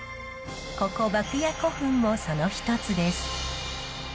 ここ牧野古墳もその一つです。